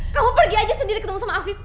kamu pergi aja sendiri ketemu sama afif